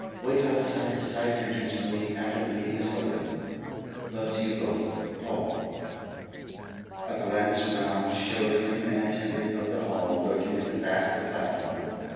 Wait outside the side entrance for me after the meeting is over. Love to you both. Paul." A glance round showed him an attendant of the hall lurking at the back of the platform.